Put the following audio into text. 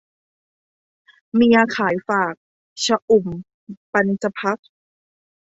เมียขายฝาก - ชอุ่ม ปัญจพรรค์